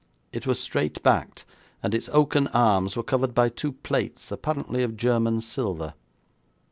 It was straight backed, and its oaken arms were covered by two plates, apparently of German silver.